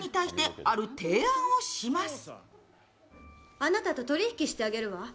あなたと取引してあげるわ。